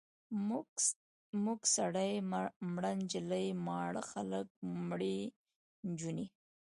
مور سړی، مړه نجلۍ، ماړه خلک، مړې نجونې.